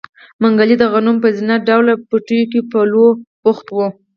منګلی د غنمو په زينه ډوله پټيو کې په لو بوخت و.